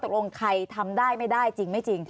ใครทำได้ไม่ได้จริงไม่จริง